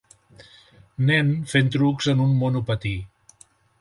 nen fent trucs en un monopatí